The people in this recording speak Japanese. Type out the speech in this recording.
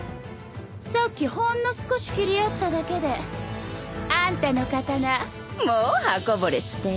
さっきほんの少し斬り合っただけであんたの刀もう刃こぼれしてる。